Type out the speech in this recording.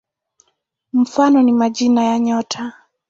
Mfano ni majina ya nyota.